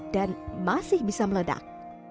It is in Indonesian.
dan masih bisa meledak